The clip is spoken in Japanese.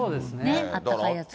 あったかいやつね。